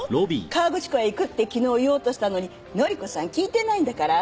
河口湖へ行くって昨日言おうとしたのに乃里子さん聞いてないんだから。